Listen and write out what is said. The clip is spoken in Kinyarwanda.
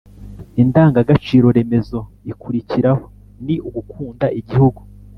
indangagaciro remezo ikurikiraho ni «ugukunda igihugu»